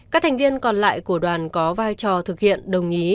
các thành viên còn lại của đoàn có vai trò thực hiện đồng ý